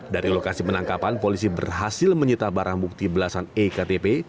dari lokasi penangkapan polisi berhasil menyita barang bukti belasan iktp